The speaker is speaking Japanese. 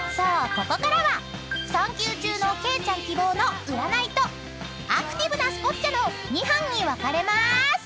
ここからは産休中のケイちゃん希望の占いとアクティブなスポッチャの２班に分かれまーす］